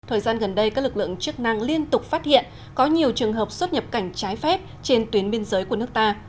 thời gian gần đây các lực lượng chức năng liên tục phát hiện có nhiều trường hợp xuất nhập cảnh trái phép trên tuyến biên giới của nước ta